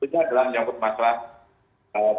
juga dalam menyebut masalah